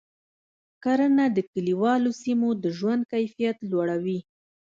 کرنه د کلیوالو سیمو د ژوند کیفیت لوړوي.